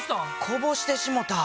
こぼしてしもた。